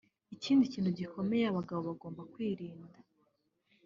Ikindi kintu gikomeye abagabo bagomba kwirinda